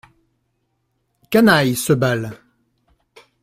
Canaille, ce bal.